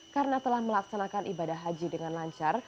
karena telah melaksanakan ibadah haji dengan lancar